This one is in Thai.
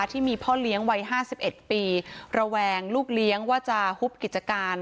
ที่มีพ่อเลี้ยงวัย๕๑ปีระแวงลูกเลี้ยงว่าจะฮุบกิจการ